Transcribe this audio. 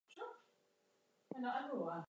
We will do it in the most efficient possible way.